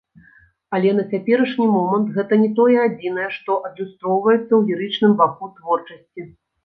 Але на цяперашні момант, гэта не тое адзінае, што адлюстроўваецца ў лірычным баку творчасці.